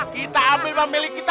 kita ambil memilik kita